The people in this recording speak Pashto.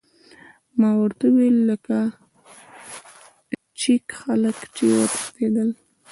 ما ورته وویل: لکه د چیک خلک، چې وتښتېدل.